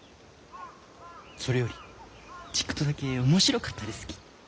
それよりちっくとだけ面白かったですき。